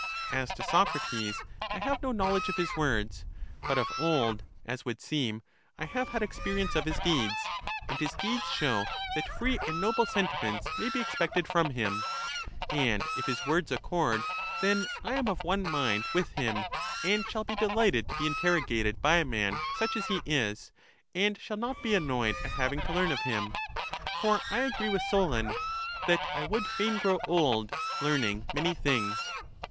As to Socrates, I have no knowl edge of his words: but of old, as would seem, I have had experience of his deeds; and his deeds show that free and noble sentiments may be expected from him. And if his words accord, then I am of one mind with him, and shall be delighted to be interrogated by a man sup)^ as he is, and shall not be annoyed at having <^ or f*J£OM>;^ .^■^^^.—*—'~^ '1, n NOV 10 1953 s) LACHES 101 to learn of him : for I agree with Solon, " that I would fain grow old, learning many things."